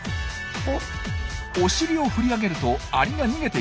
お尻を振り上げるとアリが逃げていきます。